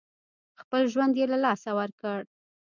خپل ژوند یې له لاسه ورکړ.